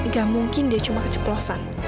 gak mungkin dia cuma keceplosan